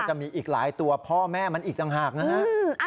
จะมีอีกหลายตัวพ่อแม่มันอีกต่างหากนะฮะ